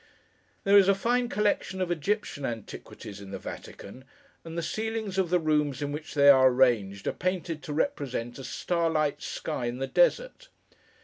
There is a fine collection of Egyptian antiquities, in the Vatican; and the ceilings of the rooms in which they are arranged, are painted to represent a starlight sky in the Desert.